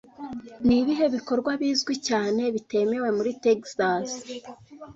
Ni ibihe bikorwa bizwi cyane bitemewe muri Texas